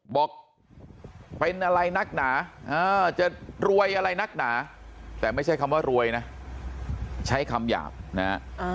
บอกเป็นอะไรนักหนาจะรวยอะไรนักหนาแต่ไม่ใช่คำว่ารวยนะใช้คำหยาบนะฮะ